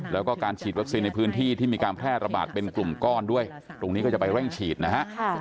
แล้วก็การฉีดวัคซีนในพื้นที่ที่มีการแพร่ระบาดเป็นกลุ่มก้อนด้วยตรงนี้ก็จะไปเร่งฉีดนะฮะ